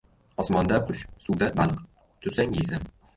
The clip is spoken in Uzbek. • Osmonda — qush, suvda — baliq, tutsang — yeysan.